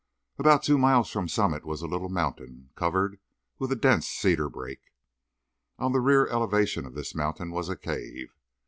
About two miles from Summit was a little mountain, covered with a dense cedar brake. On the rear elevation of this mountain was a cave.